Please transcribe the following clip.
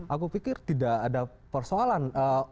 aku pikir tidak ada persoalan